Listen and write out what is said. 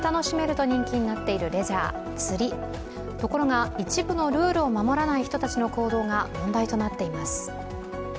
ところが一部のルールを守らない人たちの行動が問題となっています。